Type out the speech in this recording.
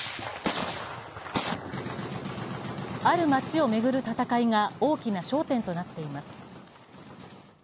ある街を巡る戦いが大きな焦点となっています。